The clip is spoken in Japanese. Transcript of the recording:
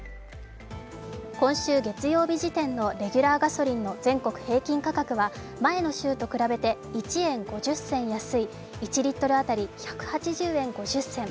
今週月曜日時点のレギュラーガソリンの全国平均価格は前の週と比べて１円５０銭安い１リットル当たり１８０円５０銭。